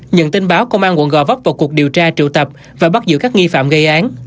nhận tin báo công an quận gò vấp vào cuộc điều tra triệu tập và bắt giữ các nghi phạm gây án